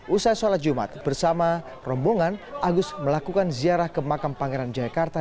usai sholat jumat bersama rombongan agus melakukan ziarah ke makam pangeran jakarta